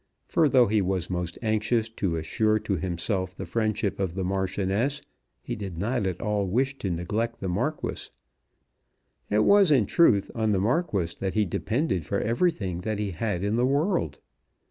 For though he was most anxious to assure to himself the friendship of the Marchioness he did not at all wish to neglect the Marquis. It was in truth on the Marquis that he depended for everything that he had in the world.